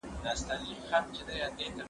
سبزیجات وچ کړه؟